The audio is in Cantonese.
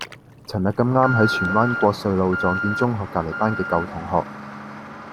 噚日咁啱喺荃灣國瑞路撞見中學隔離班嘅舊同學